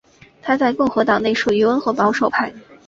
他在共和党内属于温和保守派。